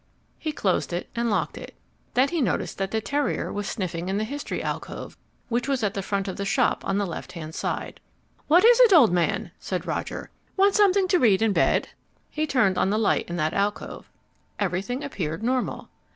He closed and locked it. Then he noticed that the terrier was sniffing in the History alcove, which was at the front of the shop on the left hand side. "What is it, old man?" said Roger. "Want something to read in bed?" He turned on the light in that alcove. Everything appeared normal.